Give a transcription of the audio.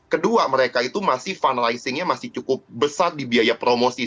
kedua mereka itu masih fundraisingnya masih cukup besar di biaya promosi